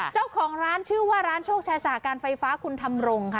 เจ้าของร้านชื่อว่าร้านโชคชายสาการไฟฟ้าคุณทำรงค่ะ